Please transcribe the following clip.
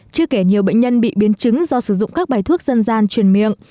chưa kể nhiều bệnh nhân bị biến chứng do sử dụng các bài thuốc dân gian truyền miệng